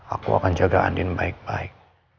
aku akan jaga adin baik baik